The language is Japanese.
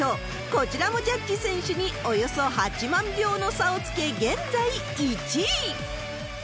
こちらもジャッジ選手におよそ８万票の差をつけ、現在１位。